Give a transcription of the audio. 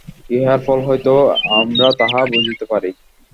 ইহার ফল হইতেও আমরা তাহা বুঝিতে পারি।